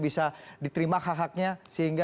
bisa diterima hak haknya sehingga